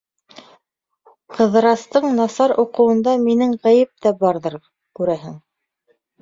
Ҡыҙырастың насар уҡыуында минең ғәйеп тә барҙыр, күрәһең.